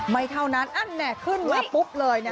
ไม่เท่านั้นขึ้นมาปุ๊บเลยนะ